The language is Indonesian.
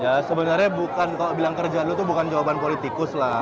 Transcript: ya sebenarnya bukan kalau bilang kerja dulu itu bukan jawaban politikus lah